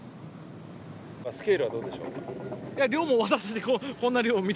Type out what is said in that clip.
スケールはどうでしょう？